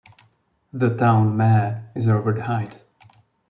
The town mayor is Robert Height.